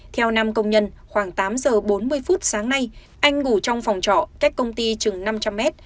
theo năm công nhân khoảng tám giờ bốn mươi phút sáng nay anh ngủ trong phòng trọ cách công ty chừng năm trăm linh mét